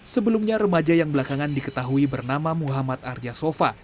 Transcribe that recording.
sebelumnya remaja yang belakangan diketahui bernama muhammad arya sofa